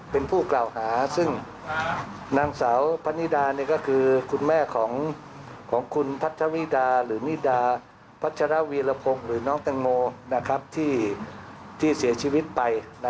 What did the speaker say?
เป็นผู้กล่าวหาซึ่งนางสาวพะนิดาก็คือคุณแม่ของคุณพัชวิดาหรือนิดาพัชรวีรพงศ์หรือน้องแตงโมที่เสียชีวิตไป